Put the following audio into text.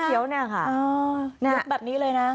เขียวเนี่ยค่ะยกแบบนี้เลยนะ